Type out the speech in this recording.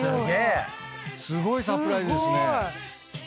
すごいサプライズですね。